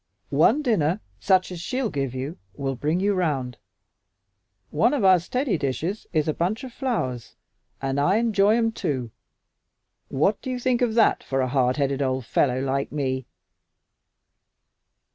One dinner, such as she'll give you, will bring you round. One of our steady dishes is a bunch of flowers and I enjoy 'em, too. What do you think of that for a hard headed old fellow like me?"